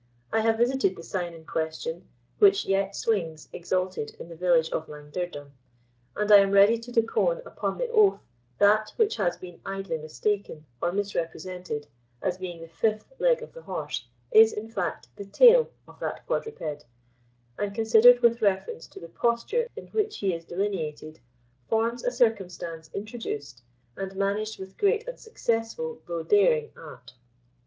I have visited the sign in question, which yet swings exalted in the village of Langdirdum; and I am ready to depone upon the oath that what has been idly mistaken or misrepresented as being the fifth leg of the horse, is, in fact, the tail of that quadruped, and, considered with reference to the posture in which he is delineated, forms a circumstance introduced and managed with great and successful, though daring, art.